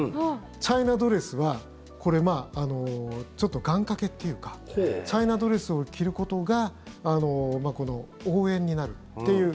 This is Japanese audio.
チャイナドレスはこれ、ちょっと願掛けというかチャイナドレスを着ることが応援になるという。